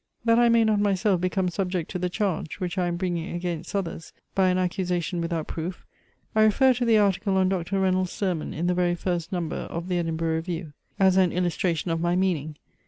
That I may not myself become subject to the charge, which I am bringing against others, by an accusation without proof, I refer to the article on Dr. Rennell's sermon in the very first number of the EDINBURGH REVIEW as an illustration of my meaning.